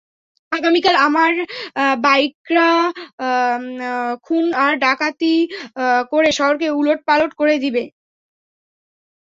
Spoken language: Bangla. আগামীকাল আমার বাইকাররা খুন আর ডাকাতি করে শহরকে উলোটপালোট করে দিবে।